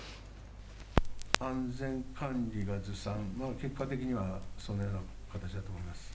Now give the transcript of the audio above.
安全管理がずさん、結果的にはそのような形だと思います。